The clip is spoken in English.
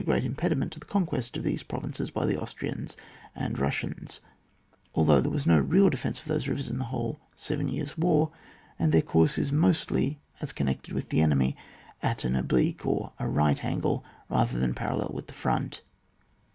great impediment to the con quest of these provinces by the Austrians and Russians, although there was no real defence of those rivers in the whole Seven Years* War, and their course is mostly, as connected with the enemy, at an oblique or a right angle rather than parallel with the front.